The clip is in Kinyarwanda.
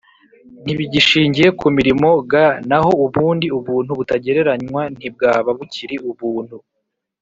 Ntibigishingiye ku mirimo g naho ubundi ubuntu butagereranywa ntibwaba bukiri ubuntu